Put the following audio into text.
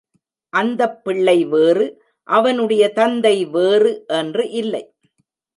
அந்தப் பிள்ளை வேறு, அவனுடைய தந்தை வேறு என்று இல்லை.